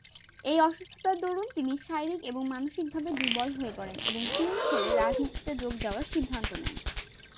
এই অসুস্থতার দরুন তিনি শারীরিক এবং মানসিকভাবে দুর্বল হয়ে পড়েন এবং ফিল্ম ছেড়ে রাজনীতিতে যোগ দেওয়ার সিদ্ধান্ত নেন।